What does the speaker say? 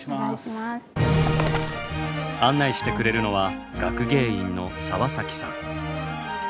案内してくれるのは学芸員の澤さん。